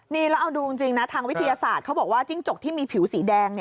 นี่แล้วเอาดูจริงนะทางวิทยาศาสตร์เขาบอกว่าจิ้งจกที่มีผิวสีแดง